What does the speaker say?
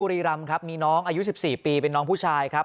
บุรีรำครับมีน้องอายุ๑๔ปีเป็นน้องผู้ชายครับ